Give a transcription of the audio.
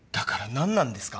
何なんですか？